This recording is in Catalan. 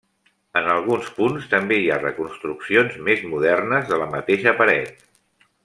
En alguns punts també hi ha reconstruccions més modernes de la mateixa paret.